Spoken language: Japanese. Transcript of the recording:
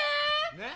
ねっ。